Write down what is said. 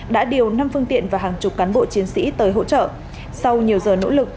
đã điều năm phương tiện và hàng chục cán bộ chiến sĩ tới hỗ trợ sau nhiều giờ nỗ lực